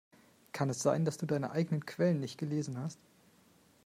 Kann es sein, dass du deine eigenen Quellen nicht gelesen hast?